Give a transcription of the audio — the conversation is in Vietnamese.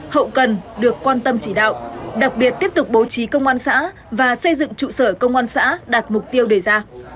hậu cần được quan tâm chỉ đạo đặc biệt tiếp tục bố trí công an xã và xây dựng trụ sở công an xã đạt mục tiêu đề ra